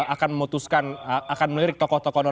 akan memutuskan akan melirik tokoh tokoh